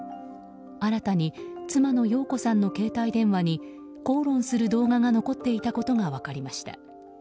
新たに妻の容子さんの携帯電話に口論する動画が残っていたことが分かりました。